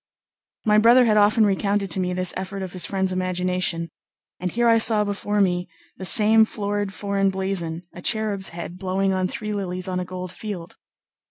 My brother had often recounted to me this effort of his friend's imagination, and here I saw before me the same florid foreign blazon, a cherub's head blowing on three lilies on a gold field.